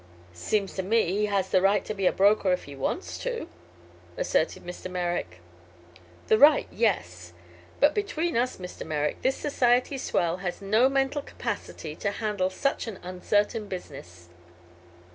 "Seems to me he has the right to be a broker if he wants to," asserted Mr. Merrick. "The right; yes. But, between us, Mr. Merrick, this society swell has no mental capacity to handle such an uncertain business.